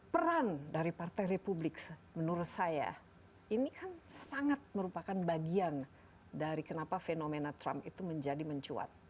peran dari partai republik menurut saya ini kan sangat merupakan bagian dari kenapa fenomena trump itu menjadi mencuat